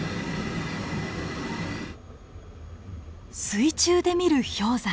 水中で見る氷山。